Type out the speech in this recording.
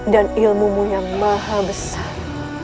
dan ilmumu yang maha besar